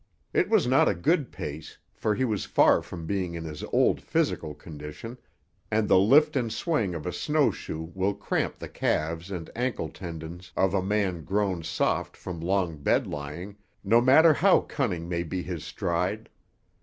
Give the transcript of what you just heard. It was not a good pace, for he was far from being in his old physical condition, and the lift and swing of a snowshoe will cramp the calves and ankle tendons of a man grown soft from long bed lying, no matter how cunning may be his stride.